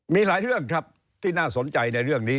มีหลายเรื่องครับที่น่าสนใจในเรื่องนี้